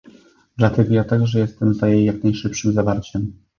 Dlatego ja także jestem za jej jak najszybszym zawarciem